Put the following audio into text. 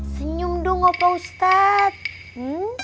senyum dong opa ustadz